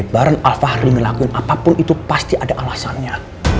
bareng al fahri ngelakuin apapun itu pasti ada alasannya